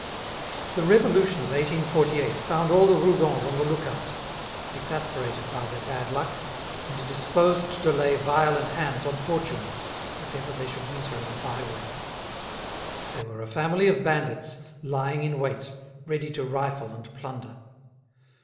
The Revolution of 1848 found all the Rougons on the lookout, exasperated by their bad luck, and disposed to lay violent hands on fortune if ever they should meet her in a byway. They were a family of bandits lying in wait, ready to rifle and plunder.